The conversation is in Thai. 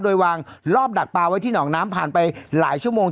โดยวางรอบดักปลาไว้ที่หนองน้ำผ่านไปหลายชั่วโมง